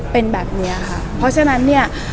เป็นแบบเนี้ยค่ะเพราะฉะนั้นเนี่ย